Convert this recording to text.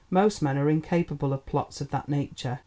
Most men are incapable of plots of that nature.